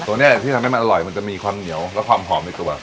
ตัวนี้แหละที่ทำให้มันอร่อยมันจะมีความเหนียวและความหอมในตัว